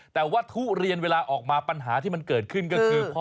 แต่ว่าทุเรียนเวลาออกมาปัญหาที่มันเกิดขึ้นก็คือ